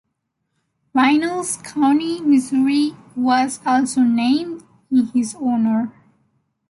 Reynolds County, Missouri was also named in his honor.